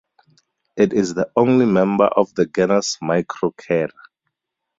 It is the only member of the genus Microchera.